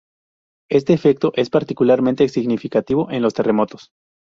Este efecto es particularmente significativo en los terremotos.